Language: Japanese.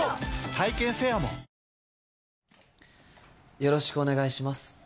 よろしくお願いします